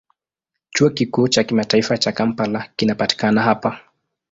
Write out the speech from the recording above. Chuo Kikuu cha Kimataifa cha Kampala kinapatikana hapa.